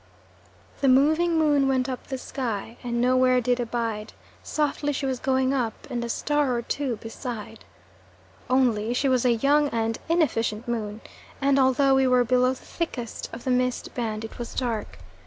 "The moving Moon went up the sky, And nowhere did abide: Softly she was going up, And a star or two beside." Only she was a young and inefficient moon, and although we were below the thickest of the mist band, it was dark.